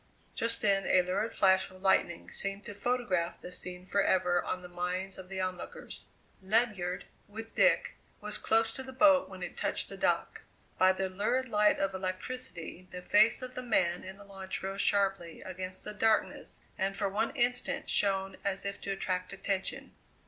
Just then a lurid flash of lightning seemed to photograph the scene forever on the minds of the onlookers. Ledyard, with Dick, was close to the boat when it touched the dock. By the lurid light of electricity the face of the man in the launch rose sharply against the darkness and for one instant shone as if to attract attention.